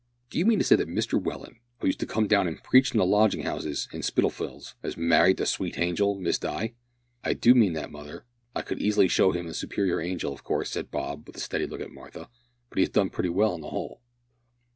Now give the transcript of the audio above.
"Do you mean to say that Mr Welland, who used to come down an' preach in the lodgin' 'ouses in Spitalfields 'as married that sweet hangel Miss Di?" "I do mean that, mother. I could easily show him a superior angel, of course," said Bob with a steady look at Martha, "but he has done pretty well, on the whole."